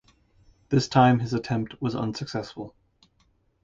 This time his attempt was unsuccessful.